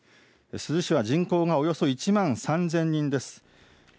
珠洲市は人口がおよそ１万３０００人です。